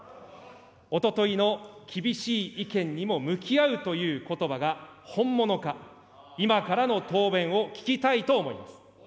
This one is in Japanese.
おとといの厳しい意見にも向き合うということばが本物か、今からの答弁を聞きたいと思います。